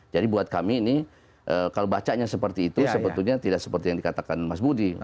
jadi buat kami ini kalau bacanya seperti itu sebetulnya tidak seperti yang dikatakan mas budi